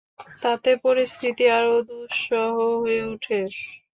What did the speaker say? তাতে পরিস্থিতি আরো দুঃসহ হয়ে উঠে।